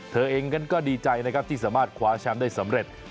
เธอเองก็ดีใจนะครับที่สามารถคว้าแชมป์ได้สำเร็จ